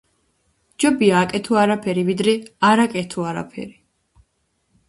ჯობია აკეთო არაფერი ვიდრე არ აკეთო არაფერი.